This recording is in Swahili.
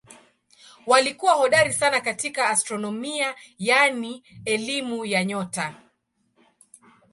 Walikuwa hodari sana katika astronomia yaani elimu ya nyota.